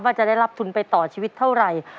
ว่าจะได้รับทุนไปต่อชีวิตเท่าไหร่